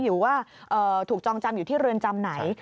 อยู่ว่าถูกจองจำอยู่ที่เรือนจำไหน